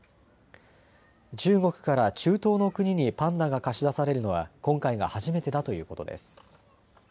中国から中東の国にパンダが貸し出されるのは今回が初めてだということです。